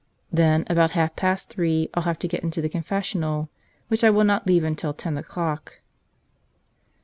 "Then, about half past three I'll have to get into the confessional, which I will not leave until ten o'clock."